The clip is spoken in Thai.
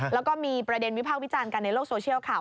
แล้วก็มีประเด็นวิพากษ์วิจารณ์กันในโลกโซเชียลค่ะ